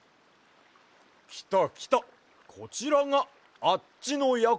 きたきたこちらがあっちのやころだわ。